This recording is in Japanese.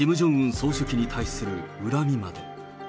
総書記に対する恨みまで。